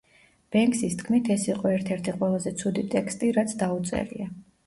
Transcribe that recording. ბენქსის თქმით, ეს იყო ერთ-ერთი ყველაზე ცუდი ტექსტი, რაც დაუწერია.